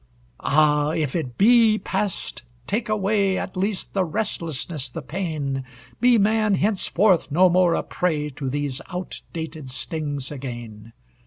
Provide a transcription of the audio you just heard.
Ah, if it be passed, take away At least the restlessness, the pain! Be man henceforth no more a prey To these out dated stings again!